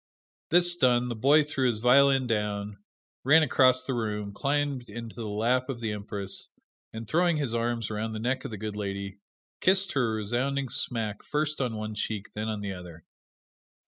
This done, the boy threw his violin down, ran across the room, climbed into the lap of the Empress and throwing his arms around the neck of the good lady, kissed her a resounding smack first on one cheek, then on the other.